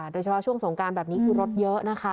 โดยเฉพาะช่วงสงการแบบนี้คือรถเยอะนะคะ